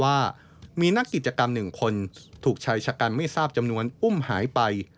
ว่ามีนักกิจกรรมหนึ่งคนถูกชายชะกันไม่ทราบจำนวนอุ้มหายไป